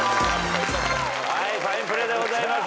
ファインプレーでございます。